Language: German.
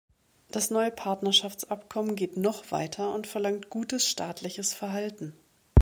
Das neue Partnerschaftsabkommen geht noch weiter und verlangt gutes staatliches Verhalten.